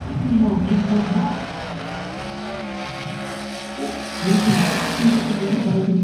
十幾人の家族が、ただ黙々としてめしを食っている有様には、